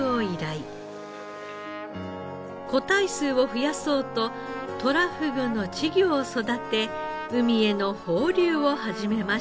個体数を増やそうととらふぐの稚魚を育て海への放流を始めました。